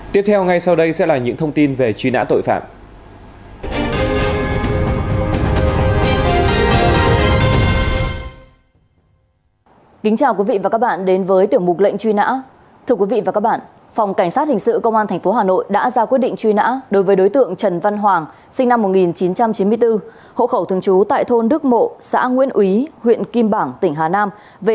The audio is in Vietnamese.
tiếp theo ngay sau đây sẽ là những thông tin về truy nã tội phạm